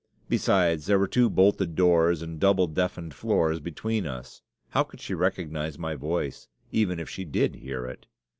Besides, there were two bolted doors and double deafened floors between us; how could she recognize my voice, even if she did hear it?